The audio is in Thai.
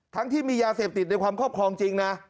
ที่มียาเสพติดในความครอบครองจริงนะ